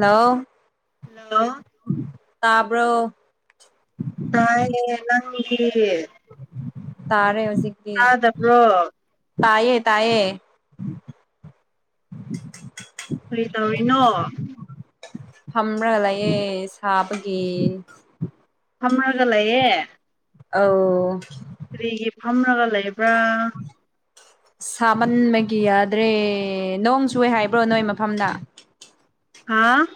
hello hello ꯇꯕꯔꯣ ꯇꯦ ꯅ ꯑꯦ ꯇꯥꯔꯦ ꯍꯧꯖꯤꯛꯇꯤ ꯑꯗ ꯄꯨꯔꯣ ꯇꯌꯦ ꯀꯔꯤ ꯇꯧꯔꯤꯅꯣ ꯐꯝ꯭ꯔꯒ ꯂꯩꯌꯦ ꯁꯥꯕꯒꯤ ꯐꯝꯅꯒ ꯂꯩꯌꯦ ꯑ ꯀꯔꯤꯒꯤ ꯐꯝꯂꯒ ꯂꯩꯕ꯭ꯔꯥ ꯇꯃꯟꯕꯒꯤ ꯌꯥꯗ꯭ꯔꯦ ꯅꯣꯡ ꯁꯨꯏ ꯍꯥꯏꯕ꯭ꯔꯣ ꯅꯣꯏ ꯃꯐꯝꯅ ꯍꯥꯥ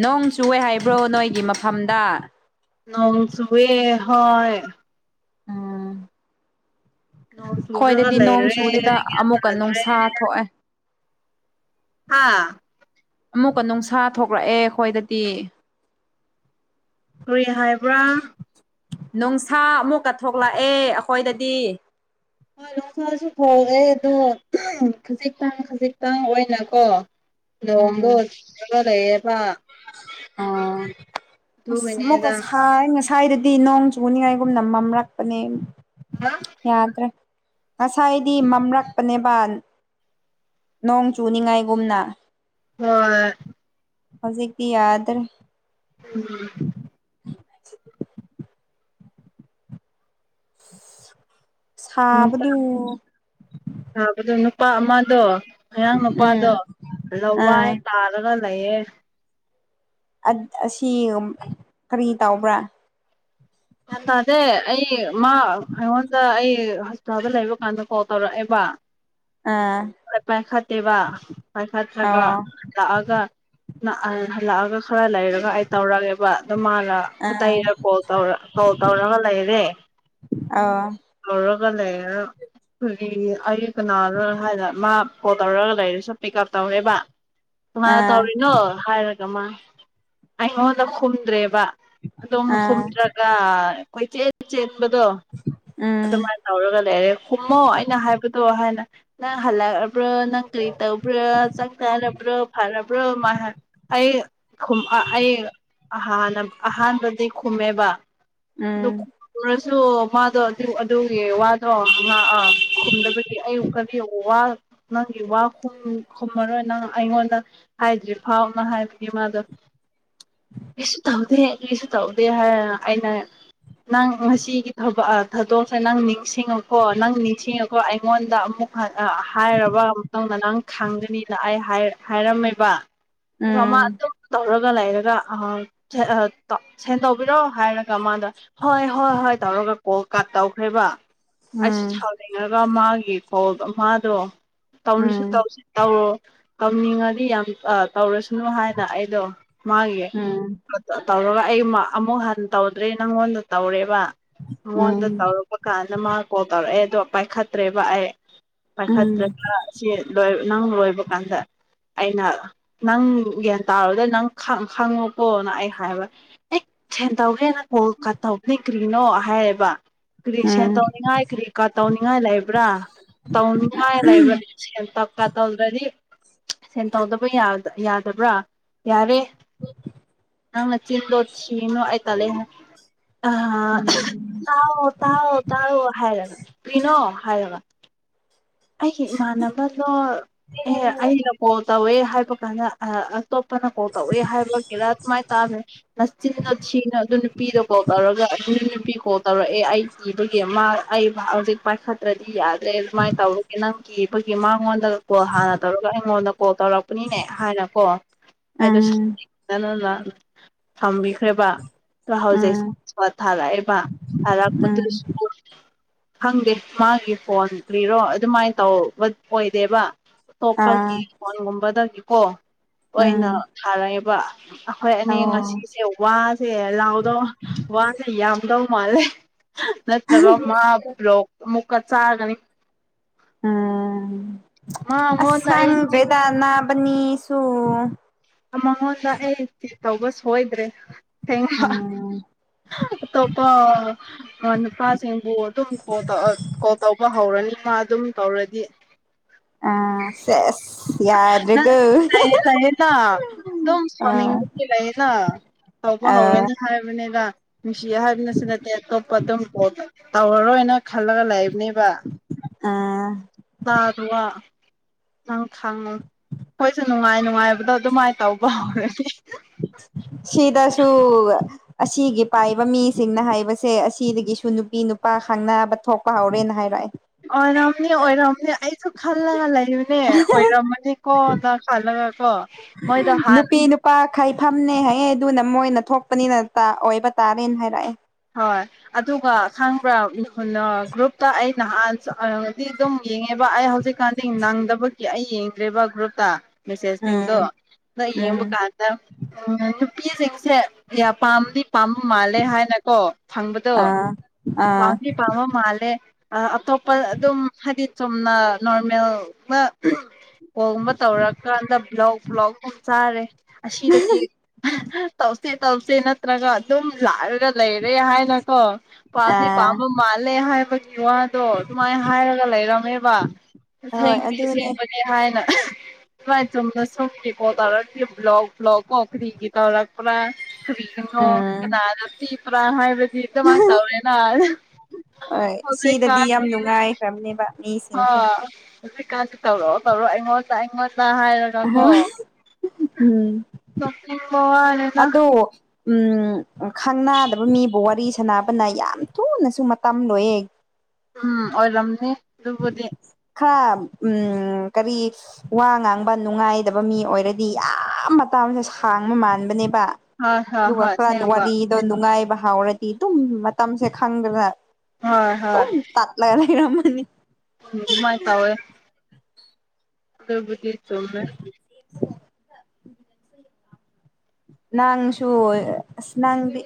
ꯅꯣꯡ ꯆꯦ ꯍꯥꯏꯕ꯭ꯔꯣ ꯅꯣꯏꯒꯤ ꯃꯐꯝꯗ ꯅꯣꯡ ꯆꯨꯋꯦ ꯍꯣꯏ ꯎꯝ ꯅꯣꯡ ꯍꯣꯏ ꯆꯨꯔꯒ ꯑꯗꯨꯗꯤ ꯅꯣꯡ ꯂꯩꯔꯦ ꯆꯨꯗꯨꯗ ꯒ꯭ꯌꯥꯟ ꯑꯃꯨꯛꯀ ꯇꯥꯗ꯭ꯔꯦ ꯅꯨꯡꯁꯥ ꯊꯣꯛꯑꯦ ꯍꯥꯥ ꯑꯃꯨꯛꯀ ꯅꯨꯡꯁꯥ ꯊꯣꯛꯂꯛꯑꯦ ꯑꯩꯈꯣꯏꯗꯗꯤ ꯀꯔꯤ ꯍꯥꯏꯕ꯭ꯔꯥ ꯅꯨꯡꯁꯥ ꯑꯃꯨꯛꯀ ꯊꯣꯛꯂꯛꯑꯦ ꯑꯩꯈꯣꯏꯗꯗꯤ ꯍꯣꯏ ꯂꯣꯛꯁꯥꯁꯨ ꯐꯛꯑꯦ ꯑꯗꯣ ꯈꯖꯤꯛꯇꯪ ꯈꯖꯤꯛꯇꯪ ꯑꯣꯏꯅꯀꯣ ꯎꯝ ꯂꯣꯡꯒ ꯂꯩꯌꯦꯕ ꯑꯣ ꯑꯁ ꯑꯗꯨꯒꯤꯅꯦꯗ ꯑꯃꯨꯛꯀꯁꯥꯏ ꯉꯁꯥꯏꯗꯨꯗꯤ ꯅꯣꯡ ꯆꯨꯅꯤꯡꯉꯥꯏꯒꯨꯝ ꯅꯝꯃꯝꯂꯛꯄꯅꯦ ꯍꯥ ꯌꯥꯗ꯭ꯔꯦ ꯉꯁꯥꯏꯗꯤ ꯃꯝꯔꯛꯄꯅꯦꯕꯥꯟ ꯅꯣꯡ ꯆꯨꯅꯤꯉꯥꯏꯒꯨꯝꯅ ꯍꯣꯏ ꯍꯧꯖꯤꯛꯛꯗꯤ ꯌꯥꯗꯦ ꯎꯝ [inaudible] ꯅꯨꯡꯁꯥ ꯁꯥꯕꯗꯨ ꯁꯥꯕꯗꯣ ꯅꯨꯄꯥ ꯑꯃꯗꯣ ꯃꯌꯥꯡ ꯎꯝ ꯅꯨꯄꯥꯗꯣ ꯂꯋꯥꯏ ꯑꯥ ꯇꯥꯔꯒ ꯂꯩꯌꯦ ꯑꯁꯤ ꯀꯔꯤ ꯇꯕ꯭ꯔꯥ ꯭ꯌꯥꯟ ꯇꯥꯗꯦ ꯑꯩ ꯃꯥ ꯑꯩꯉꯣꯟꯗ ꯑꯩ ꯍꯁꯄꯤꯇꯥꯜꯗ ꯂꯩꯕ ꯀꯥꯟꯗ ꯀꯣꯜ ꯇꯧꯔꯛꯑꯦꯕ ꯑꯥ ꯄꯥꯏꯈꯥ ꯇꯦꯕ ꯄꯥꯏꯈꯥ ꯊ꯭ꯔꯒ ꯑꯣ ꯂꯥꯛꯑꯒ ꯍꯜꯂꯛꯑꯒ ꯈꯔ ꯂꯩꯔꯒ ꯑꯩ ꯇꯧꯔꯒꯦꯕ ꯑꯗꯨꯣ ꯃꯥꯅ ꯑꯥ ꯇꯔ ꯀꯣꯜ ꯇꯧꯔ ꯍꯧ ꯇꯧꯔꯒ ꯂꯩꯔꯦ ꯑꯣ ꯇꯧꯔꯒ ꯂꯩꯔ ꯑꯩꯈꯒꯤ ꯑꯩ ꯀꯅꯥꯅꯣ ꯍꯥꯏꯗꯅ ꯃꯥ ꯐꯣꯟꯜ ꯇꯧꯔꯒ ꯂꯩꯔꯦꯁꯨ ꯄꯤꯛ ꯎꯞ ꯇꯧꯔꯦꯕ ꯀꯃꯥꯏꯅ ꯑꯥ ꯇꯧꯔꯤꯅꯣ ꯍꯥꯏꯔꯒ ꯃꯥ ꯑꯩꯉꯣꯟꯗ ꯈꯨꯝꯗ꯭ꯔꯦꯕ ꯑꯗꯨꯝ ꯍ ꯑꯥ ꯇ꯭ꯔ ꯑꯩꯈꯣꯏ ꯆꯦ ꯆꯦ ꯈꯟꯕꯗꯣ ꯑꯗꯨꯃꯥꯏꯅ ꯇꯧꯔꯒ ꯂꯩꯔꯦ ꯈꯨꯝꯃꯣ ꯑꯩꯅ ꯍꯥꯏꯕꯗꯣ ꯍꯥꯏꯅ ꯅ ꯍꯜꯂ ꯅꯪ ꯀꯩ ꯇꯧꯕ꯭ꯔꯥ ꯆꯥꯛ ꯆꯥꯔꯕ꯭ꯔꯥ ꯐꯔꯕ꯭ꯔꯣ ꯑꯩ ꯑꯩ ꯑꯍꯥꯟꯕꯗꯤ ꯈꯨꯝꯃꯦꯕ ꯑꯗꯨ ꯎꯝ ꯑ ꯃꯥꯗꯣ ꯑꯗꯨ ꯑꯗꯨꯒꯤ ꯋꯥꯗꯣ ꯑꯥ ꯈꯨꯝꯗꯕꯒꯤ ꯑꯌꯨꯛꯀꯅꯤꯨ ꯋꯥ ꯅꯪꯒꯤ ꯋꯥ ꯈꯨꯝꯃꯔꯣꯏ ꯅꯪ ꯑꯩꯉꯣꯟꯗ ꯍꯥꯏꯗ꯭ꯔꯤꯐꯥꯎꯅ ꯍꯥꯏꯕꯅꯤ ꯃꯥꯗꯣ ꯀꯁꯨ ꯇꯧꯗꯦ ꯀꯁꯨ ꯇꯧꯗꯦ ꯍꯥꯏ ꯑꯩꯅ ꯅꯪ ꯉꯁꯤꯒꯤꯛ ꯊꯥꯗꯣꯛꯁꯦ ꯅꯪ ꯅꯤꯡꯁꯤꯡꯉꯀꯣ ꯅꯪ ꯅꯤꯡꯁꯤꯡꯉꯀꯣ ꯑꯩꯉꯣꯟꯗ ꯑꯃꯨꯛ ꯍꯥꯏꯔꯕ ꯃꯇꯨꯡꯗ ꯅꯪ ꯈꯪꯒꯅꯤꯅ ꯑꯩ ꯍꯥꯏꯔꯝꯃꯦꯕ ꯎꯝ ꯎꯝ ꯣꯃ ꯑꯗꯨꯝ ꯇꯧꯔꯒ ꯂꯩꯔꯒ ꯁꯦꯟ ꯇꯧꯕꯤꯔꯣ ꯍꯥꯏꯔꯒ ꯀꯃꯗ ꯍꯣꯏ ꯍꯣꯏ ꯍꯣꯏ ꯇꯧꯔꯒ ꯀꯣꯜ ꯀꯥꯠ ꯇꯧꯈ꯭ꯔꯦꯕ ꯑꯩꯁꯨ ꯎꯝ ꯁꯥꯅꯤꯡꯉꯒ ꯃꯥꯒꯤ ꯈꯣꯜ ꯃꯥꯗꯣ ꯇꯧꯅꯁꯨ ꯎꯝ ꯇꯧꯁꯤ ꯇꯧꯔꯣ ꯇꯧꯅꯤꯡꯉꯗꯤ ꯌꯥꯝ ꯇꯧꯔꯁꯨ ꯨ ꯍꯥꯏꯅ ꯑꯩꯗꯣ ꯃꯥꯒꯤ ꯎꯝ ꯇꯧꯔꯒ ꯑꯩ ꯑꯃꯨꯛ ꯍꯟꯅ ꯇꯧꯗ꯭ꯔꯦ ꯅꯪꯉꯣꯟꯗ ꯇꯧꯔꯦꯕ ꯎꯝ ꯅꯉꯣꯟꯗ ꯇꯧꯔꯛꯄ ꯀꯥꯟꯗ ꯃꯥ ꯀꯣꯜ ꯇꯧꯔꯛꯑꯦ ꯇꯣ ꯄꯥꯏꯈꯠꯇ꯭ꯔꯦꯕ ꯑꯩ ꯄꯥꯏꯈꯠꯇ꯭ꯔꯒ ꯁꯤꯣꯏ ꯅꯪ ꯂꯣꯏꯕ ꯀꯥꯟꯗ ꯑꯩꯅ ꯅꯪ ꯒ꯭ꯌꯥꯟ ꯇꯥꯔꯨꯗ ꯅꯪ ꯈꯪꯉꯨꯀꯣꯅ ꯑꯩ ꯍꯥꯏꯕ ꯑꯦ ꯇꯧꯒꯦꯅ ꯀꯣꯜ ꯇꯧꯈ꯭ꯔꯤꯅꯣ ꯍꯥꯏꯌꯦꯦꯕ ꯀꯔꯤ ꯁꯦꯟ ꯇꯧꯅꯤꯡꯉꯥꯏ ꯀꯔꯤ ꯀꯥ ꯇꯧꯅꯤꯡꯉꯥꯏ ꯂꯩꯕ꯭ꯔꯥ ꯇꯧꯅꯤꯡ ꯂꯩꯕ ꯇꯞꯀꯥ ꯇꯧꯗ꯭ꯔꯗꯤ ꯁꯦꯟ ꯇꯧꯗꯕ ꯌꯥꯗꯕ꯭ꯔꯥ ꯌꯥꯔꯦ [unintelligible] ꯅꯪꯅ ꯆꯤꯟꯗꯧꯁꯤꯅ ꯑꯇꯥ ꯂꯩꯦ ꯑ ꯎꯝ ꯇꯥꯎ ꯇꯥꯎ ꯇꯥꯎ ꯍꯥꯏꯔꯒ ꯄꯅꯣ ꯍꯥꯏꯔꯒ ꯑꯩꯒꯤ ꯏꯃꯥꯟꯅꯕꯗꯣ ꯑꯦ ꯑꯩꯅ ꯀꯣꯜ ꯇꯧꯋꯦ ꯍꯥꯏꯕ ꯀꯥꯟꯗ ꯑꯇꯣꯞꯄꯅ ꯀꯣꯜ ꯇꯧꯏꯦ ꯍꯥꯏꯕ ꯀꯦꯔꯥ ꯑꯗꯨꯃꯥꯏꯅ ꯇꯥꯝꯃꯦ ꯅꯆꯤꯟꯅ ꯊꯤꯅ ꯑꯗꯨ ꯅꯨꯄꯤꯗꯣ ꯀꯣꯜ ꯇꯧꯔꯒ ꯑ ꯂꯄꯤꯣ ꯇꯧꯔꯛꯑꯦ ꯑꯩ ꯏꯕꯒꯤ ꯃꯥ ꯑꯩ ꯍꯧꯖꯤꯛ ꯄꯥꯏꯈꯠꯇ꯭ꯔꯗꯤ ꯌꯥꯗ꯭ꯔꯦ ꯑꯗꯨꯃꯥꯏꯅ ꯇꯧꯔ ꯅꯪꯒꯤ ꯑꯩꯈꯣꯏꯒꯤ ꯃꯉꯣꯟꯗ ꯀꯣꯜ ꯍꯥꯟꯅ ꯇꯧꯔꯒ ꯑꯩꯉꯣꯟꯗ ꯀꯣꯜ ꯇꯧꯔꯛꯄꯅꯤꯅꯦ ꯍꯥꯏꯅꯀꯣ ꯎꯝ ꯎꯝ ꯍꯥꯏꯗꯣꯅ ꯊꯝꯕꯤ ꯈ꯭ꯔꯦꯕ ꯑ ꯍꯧꯖꯤꯛ ꯊꯥꯔꯛꯑꯦꯕ ꯊꯥꯔꯛꯄꯗꯨꯁꯨ ꯈꯪꯗꯦ ꯃꯥꯒꯤ ꯐꯣꯟ ꯀ꯭ꯔꯤꯔꯣ ꯑꯗꯨꯃꯥꯏꯅ ꯇꯧꯕ ꯑꯣꯏꯗꯦꯕ ꯑꯇꯣꯞꯄꯒꯤ ꯐꯣꯟꯒꯨꯝꯕꯗꯒꯤꯀꯣ ꯑꯣꯏꯅ ꯊꯥꯔꯛꯑꯦꯕ ꯑꯩꯈꯣꯏ ꯑꯅꯤ ꯎꯝ ꯉꯁꯤꯁꯦ ꯋꯥꯁꯦ ꯂꯥꯎꯗꯧ ꯋꯥꯁꯦ ꯌꯥꯝꯗꯧ ꯃꯥꯜꯂꯦ ꯅꯠꯇ꯭ꯔꯒ ꯃꯥ ꯕ꯭ꯂꯣꯛ ꯑꯃꯨꯛꯀ ꯆꯥꯒꯅꯤ ꯎꯝ ꯃꯉꯣꯟꯗ ꯑꯁꯪ ꯑꯩ ꯆꯤꯠ ꯦꯗꯥꯅ ꯑꯅꯤꯁꯨꯨ ꯃꯉꯣꯟꯗ ꯑꯩꯤ ꯇꯧꯕ ꯁꯣꯏꯗ꯭ꯔꯦ ꯁꯦꯡꯕ ꯎꯝ ꯑꯇꯣꯞꯄ ꯅꯨꯄꯥꯁꯤꯡꯕꯨ ꯑꯗꯨꯝ ꯀꯣꯜ ꯀꯣꯜ ꯇꯧꯕ ꯍꯧꯔꯅꯤ ꯃꯥ ꯑꯗꯨꯝ ꯇꯧꯔꯗꯤ ꯑ ꯁꯦ ꯌꯥꯗ꯭ꯔꯤꯒꯣ ꯆ ꯆꯑ ꯅ ꯗꯣꯝ ꯁꯣꯃꯤꯂꯑꯅ ꯇꯧꯕ ꯍꯧꯔꯅꯤ ꯍꯥꯏꯕꯅꯦꯒ ꯅꯨꯡꯁꯤ ꯍꯥꯏꯕꯅꯁꯨ ꯅꯠꯇꯦ ꯑꯇꯣꯞꯄ ꯑꯗꯨꯝ ꯇꯧꯔꯔꯣꯏꯅ ꯈꯜꯂꯒ ꯂꯥꯛꯕ ꯕ ꯁꯥꯗꯨꯋꯥ ꯈꯪꯉ ꯃꯣꯏꯁꯨ ꯅꯨꯡꯉꯥꯏ ꯅꯨꯡꯉꯥꯏꯕꯗꯣ ꯑꯗꯨꯃꯥꯏꯅ ꯇꯧꯕ ꯍꯧꯔꯅꯤ ꯁꯤꯗꯁꯨ ꯑꯁꯤꯒꯤ ꯄꯥꯏꯕ ꯃꯤꯁꯤꯡꯅ ꯍꯥꯏꯕꯁꯦ ꯑꯁꯤꯗꯒꯤꯁꯨ ꯅꯨꯄꯤ ꯅꯨꯄꯥ ꯈꯪꯅꯕ ꯊꯣꯛꯄ ꯍꯧꯔꯦꯅ ꯍꯥꯏꯔꯛꯑꯦ ꯑꯣꯏꯔꯝꯅꯤ ꯑꯣꯏꯔꯝꯅꯤ ꯑꯩꯁꯨ ꯈꯜꯂꯒ ꯂꯩꯕꯅꯦ ꯑꯣꯏꯔꯝꯃꯅꯤꯀꯣꯅ ꯈꯜꯂꯒ ꯍ ꯃꯣꯏꯗ ꯍꯥꯟ ꯩꯐꯝꯝꯅꯦ ꯍꯥꯏꯌꯦ ꯑꯗꯨꯅ ꯃꯣꯏꯅ ꯊꯣꯛꯄꯅꯤꯅ ꯑꯣꯏꯕ ꯇꯥꯔꯦꯅ ꯍꯥꯏꯔꯛꯑꯦ ꯍ ꯑꯗꯨꯒ ꯈꯪꯕ꯭ꯔꯥ ꯒ꯭ꯔꯨꯞꯇ ꯑꯩ ꯅꯍꯥꯟ ꯑꯗꯨꯝ ꯌꯦꯡꯉꯦꯕ ꯑꯩ ꯍꯧꯖꯤꯛ ꯀꯥꯟꯗ ꯅꯪꯗꯕꯒꯤ ꯑꯩ ꯌꯦꯡꯗ꯭ꯔꯦꯕ ꯒ꯭ꯔꯨꯞꯇ ꯃꯦꯁꯦꯖꯁꯤꯡꯗꯣ ꯎꯝ ꯅ ꯌꯦꯡꯕ ꯎꯝ ꯀꯥꯟꯗ ꯅꯨꯄꯤꯁꯤꯡꯁꯦ ꯌꯥꯝ ꯄꯥꯝꯗꯤ ꯄꯥꯝꯕ ꯃꯥꯜꯂꯦ ꯍꯥꯏꯅ ꯀꯣ ꯐꯪꯕꯗꯣ ꯑꯥ ꯑꯥ ꯄꯥꯝꯗꯤ ꯄꯥꯝꯃ ꯃꯥꯜꯂꯦ ꯑꯇꯣꯞꯄ ꯑꯗꯨꯝ ꯍꯥꯏꯗꯤ ꯆꯨꯝꯅ ꯅꯣꯔꯃꯦꯜꯒ ꯀꯣꯒꯨꯝꯕ ꯇꯧꯔꯀꯥꯟꯗ ꯕ꯭ꯂꯣꯛ ꯕ꯭ꯂꯣꯛꯒꯨꯝ ꯆꯥꯔꯦ ꯑꯁꯤꯗꯗꯤ ꯇꯁꯦ ꯇꯧꯁꯦ ꯅꯠꯇ꯭ꯔꯒ ꯑꯗꯨꯝ ꯂꯥꯏꯔꯒ ꯂꯩꯔꯦ ꯍꯥꯏꯅ ꯀꯣ ꯄꯝ ꯑꯥ ꯄꯥꯃ ꯃꯥꯂ ꯍꯥꯏ ꯄ ꯋꯥꯗꯣ ꯑꯗꯨꯃꯥꯏꯅ ꯍꯥꯏꯔꯒ ꯍꯣꯏ ꯂꯩꯔꯝꯃꯦꯕꯁꯦꯡꯗꯤ ꯑꯗꯨꯅꯦ ꯁꯦꯡꯕꯅꯦ ꯍꯥꯏꯅ ꯍ ꯆꯅ ꯁꯦꯀꯣ ꯇꯔ ꯕ꯭ꯂꯒ ꯐ꯭ꯂꯒ ꯀꯧꯈꯒꯤ ꯇꯧꯔ ꯄꯨꯔ ꯀꯕꯤꯔ ꯊꯣ ꯎꯝ ꯀꯅꯥꯗ ꯊ ꯄꯨ꯭ꯔꯥꯍ ꯗ ꯃꯥ ꯇꯧꯔꯦꯅ ꯍꯣꯏ ꯀꯥ ꯁꯤꯗꯗꯤ ꯌꯥꯝ ꯅꯨꯡꯉꯥꯏꯈ꯭ꯔꯕꯅꯦꯕ ꯍ ꯃꯤꯁꯤꯡꯁꯦ ꯍꯧꯖꯤꯛꯀꯥꯟꯁꯤ ꯇꯧꯔꯛꯑꯣ ꯇꯧꯔꯛꯑꯣ ꯑꯩꯉꯣꯟꯗ ꯑꯩꯉꯣꯟꯗ ꯍꯥꯏꯔꯒꯀꯣ ꯎꯝ ꯀ ꯍꯣꯋꯥꯅꯤꯗ ꯑꯗꯣ ꯎꯝ ꯈꯪꯅꯗꯕ ꯃꯤꯕꯨ ꯋꯥꯔꯤ ꯁꯥꯟꯅꯕꯅ ꯌꯥꯝ ꯊꯨꯅꯁꯨ ꯃꯇꯝ ꯂꯣꯏꯌꯦꯦ ꯎꯝ ꯑꯣꯏꯔꯝꯅꯤ ꯑꯗꯨꯕꯨꯗꯤ ꯈꯔ ꯀꯔꯤ ꯋꯥ ꯉꯥꯡꯕ ꯅꯨꯡꯉꯥꯏꯗꯕ ꯃꯤ ꯑꯣꯏꯔꯗꯤ ꯌꯥꯝ ꯃꯇꯝ ꯁꯦ ꯁꯥꯡꯕ ꯃꯥꯟꯕꯅꯦꯕ ꯍꯣꯏ ꯍꯣꯏ ꯑꯗꯨꯒ ꯍꯣꯏ ꯈꯔ ꯑꯁꯦꯡꯕ ꯋꯥꯔꯤꯗꯣ ꯅꯨꯡꯉꯥꯏꯕ ꯍꯥꯎꯔꯗꯤ ꯑꯗꯨꯝ ꯃꯇꯝꯁꯦ ꯈꯪꯗꯅ ꯍꯣꯏ ꯑꯗꯨꯝ ꯇꯠꯂꯒ ꯂꯩꯔꯝꯃꯅꯤ ꯃꯥꯏ ꯊꯋꯦ ꯇꯕꯨꯗꯤ ꯇꯧꯃꯦ [unintelligible] ꯅꯪꯁꯨꯨ ꯅꯪꯗꯤ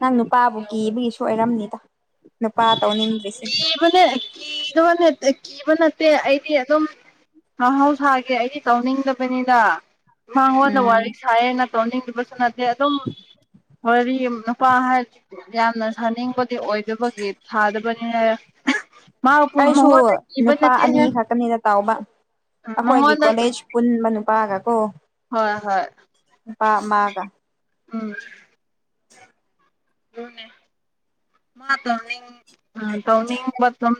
ꯅꯪ ꯅꯨꯄꯥꯕꯨ ꯀꯤꯕꯒꯤꯁꯨ ꯑꯣꯏꯔꯝꯅꯤꯗ ꯅꯨꯄꯥ ꯇꯧꯅꯤꯡꯗ꯭ꯔꯤꯁꯦ ꯀꯤꯕꯅꯦ ꯀꯤꯗꯕ ꯀꯤꯕ ꯅꯠꯇꯦ ꯑꯩꯗꯤ ꯑꯗꯨꯝ ꯃꯍꯥꯎ ꯁꯥꯒꯦ ꯑꯩꯗꯤ ꯇꯧꯅꯤꯡꯗꯕꯅꯤꯅ ꯃꯉꯣꯟꯗ ꯎꯝ ꯋꯥꯔꯤ ꯁꯥꯏꯌꯦ ꯅ ꯁꯣꯅꯤꯕꯁꯅꯠꯇ ꯑꯗꯨꯝ ꯋꯥꯔꯤꯗꯤ ꯅꯨꯄꯥ ꯍꯥꯏꯔꯗꯤ ꯌꯥꯝꯅ ꯁꯥꯅꯤꯡꯕꯗꯤ ꯑꯣꯏꯗꯕꯒꯤ ꯊꯥꯗꯕꯅꯤ ꯍꯥꯏ ꯑ ꯑꯩꯁꯨ ꯅꯨꯄꯥ ꯑꯅꯤ ꯈꯛꯇꯅꯤꯗ ꯇꯥꯎꯕ ꯑꯩꯈꯣꯏꯒꯤ ꯃꯉꯣꯟꯗ ꯀꯣꯂꯦꯖ ꯄꯨꯟꯕ ꯅꯨꯄꯥꯒ ꯍꯣꯏ ꯍꯣꯏ ꯄ ꯃꯥꯒ ꯎꯝ [unintelligible] ꯎꯅꯦ ꯃꯥ ꯇꯧꯅꯤ ꯑ ꯇꯧꯅꯤ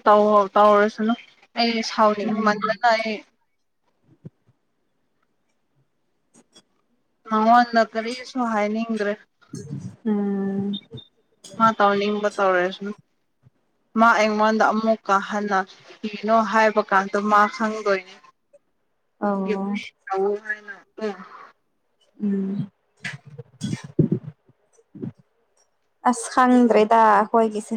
ꯇꯧ ꯇꯧꯔꯁꯨꯅꯨ ꯑꯩ ꯁꯥꯎꯔꯤꯉꯃꯜꯗꯅ ꯑꯩ ꯃꯉꯣꯟꯗ ꯀꯔꯤꯁꯨ ꯍꯥꯏꯅꯤꯡꯗ꯭ꯔꯦ ꯎꯝ ꯍ ꯇꯧꯅꯤ ꯀꯇꯥꯔꯦꯁ ꯃꯥ ꯑꯩꯉꯣꯟꯗ ꯑꯃꯨꯛ ꯀꯥ ꯍꯟꯅ ꯀꯤꯅꯣ ꯍꯥꯏꯕ ꯀꯥꯟꯗ ꯃꯥ ꯈꯪꯗꯣꯏꯅꯤ ꯑꯣ ꯍꯥꯏꯅ ꯎꯝ ꯑꯁ ꯈꯪꯗ꯭ꯔꯦꯗ ꯍꯣꯏꯒꯤꯁꯦ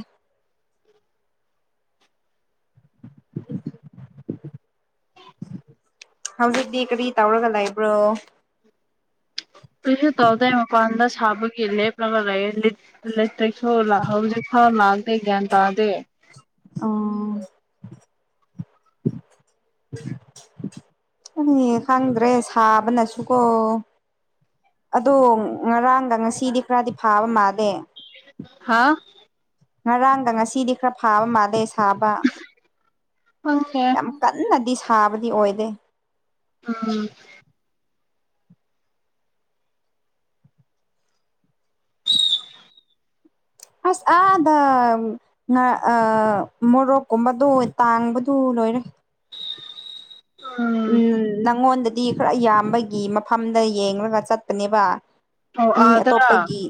ꯑ ꯍꯧꯖꯤꯛꯇꯤ ꯀꯔꯤ ꯇꯧꯔꯒ ꯂꯩꯕ꯭ꯔꯣ ꯀꯩꯁꯨ ꯇꯧꯗ ꯃꯄꯥꯟꯗ ꯁꯥꯕꯒꯤ ꯂꯦꯞ꯭ꯔꯕ ꯂꯩ ꯀꯩꯁꯨꯣ ꯍꯧꯖꯤꯛ ꯈꯥꯎ ꯂꯥꯛꯇꯦ ꯒ꯭ꯌꯥꯟ ꯇꯥꯗꯦ ꯑꯣ [unintelligible] ꯑꯩ ꯈꯪꯗ꯭ꯔꯦ ꯁꯥꯕꯅꯁꯨꯀꯣ ꯑꯗꯣ ꯉꯔꯥꯡꯒ ꯉꯁꯤꯗꯤ ꯈꯔꯗꯤ ꯐꯥꯕ ꯃꯥꯜꯂꯦ ꯍꯥꯥ ꯉꯔꯥꯡꯒ ꯉꯁꯤꯗꯤ ꯈꯔ ꯐꯥꯕ ꯃꯥꯜꯂꯦ ꯁꯥꯕ ꯈꯪꯗꯦ ꯌꯥꯝ ꯀꯟꯅꯗꯤ ꯁꯥꯕꯗꯤ ꯑꯣꯏꯗꯦ ꯑ [unintelligible] [inaudible] [unintelligible] [inaudible] ꯑꯁ ꯑꯥꯗ ꯃꯣꯔꯣꯛꯀꯨꯝꯕꯗꯣ ꯇꯥꯡꯕꯗꯨ ꯂꯣꯏꯔꯦ [unintelligible] [inaudible] ꯎꯝ ꯅꯪꯉꯣꯟꯗꯗꯤ ꯈꯔ ꯏꯌꯥꯝꯕꯒꯤ ꯃꯐꯝꯗ ꯌꯦꯡꯂꯒ ꯆꯠꯄꯅꯦꯕ ꯑꯣ ꯃꯤ ꯑꯥꯗꯔꯥ ꯑꯇꯣꯞꯄꯒꯤ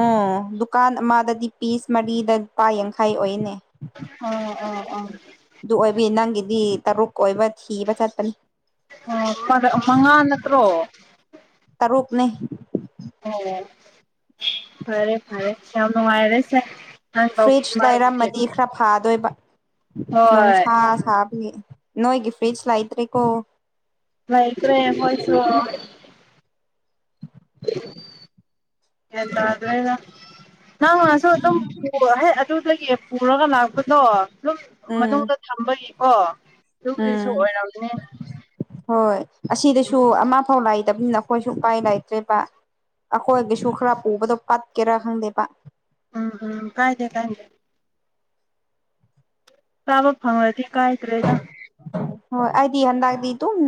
ꯎꯝ ꯗꯨꯀꯥꯟ ꯑꯃꯗꯗꯤ ꯄꯤꯁ ꯃꯔꯤꯗ ꯂꯨꯄꯥ ꯌꯥꯡꯈꯩ ꯑꯣꯏꯅꯦ ꯑꯣ ꯑꯣ ꯑꯣ ꯑꯗꯨ ꯑꯣꯏꯕꯤ ꯅꯪꯒꯤꯗꯤ ꯇꯔꯨꯛ ꯀꯣꯏꯕ ꯊꯤꯕ ꯆꯠꯄꯅꯤ ꯑꯣ ꯃꯉꯥ ꯅꯠꯇ꯭ꯔꯣ ꯇꯔꯨꯛ ꯄꯅꯤ ꯑꯣ ꯐꯔꯦ ꯐꯔꯦ ꯆꯅ ꯋꯥꯏꯔꯁ ꯑ ꯐ꯭ꯔꯤꯖ ꯃꯥ [unintelligible] [inaudible] ꯂꯩꯔꯝꯃꯗꯤ ꯈꯔ ꯐꯥꯗꯣꯏꯕ ꯅꯨꯡꯁꯥ ꯁꯥꯕꯤ ꯅꯣꯏꯒꯤ ꯐ꯭ꯔꯤꯖ ꯂꯩꯇ꯭ꯔꯦꯀꯣ ꯥꯏꯀꯔꯦꯐꯁꯨ ꯌꯦꯗꯗ꯭ꯔꯒ ꯅꯪ ꯉꯁꯨ ꯑꯗꯨꯝ ꯍ ꯑꯗꯨꯗꯒꯤ ꯄꯨꯔꯒ ꯂꯥꯛꯄꯗꯣ ꯑꯗꯨꯝ ꯎꯝ ꯃꯅꯨꯡꯗ ꯊꯝꯕꯒꯤ ꯑꯣ ꯎꯝ ꯍꯣꯏ ꯑꯁꯤꯗꯁꯨ ꯑꯃ ꯐꯥꯎ ꯂꯥꯛ ꯂꯩꯇꯕꯅꯤꯅ ꯑꯩꯈꯣꯏꯁꯨ ꯎꯄꯥꯏ ꯂꯩꯇ꯭ꯔꯦꯕ ꯑꯩꯈꯣꯏꯒꯤꯁꯨ ꯈꯔ ꯄꯨꯕꯗꯣ ꯀꯠꯀꯦꯔꯥ ꯈꯪꯗꯦꯕ ꯎꯝ ꯎꯝ ꯀꯥꯏꯗꯦ ꯀꯥꯏꯗꯦ ꯆꯥꯕ ꯐꯪꯉꯗꯤ ꯀꯥꯏꯗ꯭ꯔꯦꯗ ꯍꯣꯏ ꯑꯩꯗꯤ ꯍꯟꯗꯛꯇꯤ ꯑꯗꯨꯝ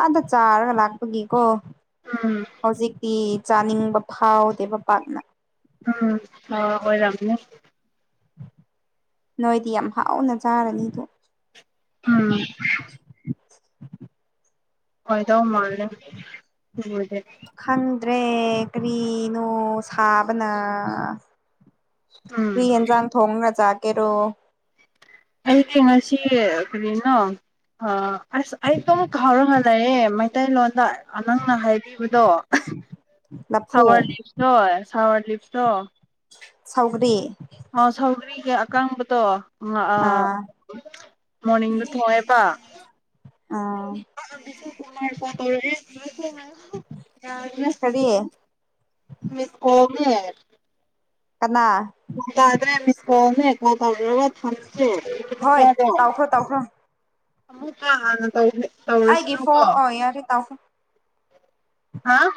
ꯑꯥꯗ ꯆꯥꯔꯒ ꯂꯥꯛꯄꯒꯤꯀꯣ ꯎꯝ ꯍꯧꯖꯤꯛꯇꯤ ꯆꯥꯅꯤꯡꯕ ꯐꯥꯎꯗꯦꯕ ꯄꯥꯛꯅ ꯎꯝ ꯑ ꯑꯣꯏꯣꯏꯔꯝꯅꯦ ꯅꯣꯏꯗꯤ ꯌꯥꯝ ꯍꯥꯎꯅ ꯆꯥꯔꯅꯤꯗꯣ ꯎꯝ ꯍꯣꯏꯗ ꯃꯥꯅꯦꯗ ꯈꯪꯗ꯭ꯔꯦ ꯀꯔꯤꯅꯣ ꯁꯥꯕꯅ ꯎꯝ ꯀꯨꯏ ꯌꯦꯟꯁꯥꯡ ꯊꯣꯡꯅ ꯆꯥꯀꯦꯔꯣ ꯑꯩꯗꯤ ꯉꯁꯤ ꯀꯔꯤꯅꯣ ꯑ ꯑꯁ ꯑꯩ ꯑꯗꯨꯝ ꯍꯧꯔꯒ ꯂꯩꯔꯦ ꯃꯩꯇꯩꯂꯣꯟꯗ ꯅꯪꯅ ꯍꯥꯏꯕꯤꯕꯗꯣ ꯂꯐꯨ ꯁꯋꯔ ꯂꯤꯞꯁꯣꯏ ꯁꯋꯔ ꯂꯤꯞꯇꯣ ꯁꯧꯔꯤ ꯑꯣ ꯁꯧꯗ꯭ꯔꯤꯒꯦ ꯑꯀꯥꯡꯕꯗꯣ ꯑꯥ ꯃꯣꯔꯅꯤꯡꯗ ꯊꯣꯡꯉꯦꯕ ꯑꯥ ꯀꯨꯃ ꯀꯔ ꯌꯥ ꯀꯔꯤ ꯃꯤꯁꯀꯣꯅꯤ ꯍꯥꯏ ꯀꯅꯥ ꯗ꯭ꯔꯦ ꯃꯤꯁꯀ ꯇꯧ꯭ꯔ ꯇ ꯍꯣꯏ ꯇꯧꯈ꯭ꯔꯣ ꯇꯧꯈ꯭ꯔꯣ [unintelligible] [inaudible] ꯍꯥꯏꯦ ꯐꯣ ꯌꯥꯔꯦ ꯇꯥꯎ ꯍꯥ